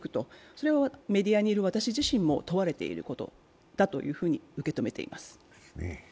それをメディアにいる私自身も問われていることだと思っています。